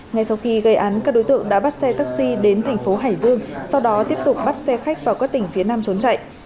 ngay sau khi gây án các đối tượng đã bắt xe taxi đến thành phố hải dương sau đó tiếp tục bắt xe khách vào các tỉnh phía nam trốn chạy